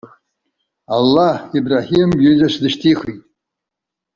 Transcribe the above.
Аллаҳ Ибраҳим ҩызас дышьҭихит.